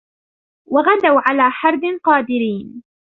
وَغَدَوا عَلى حَردٍ قادِرينَ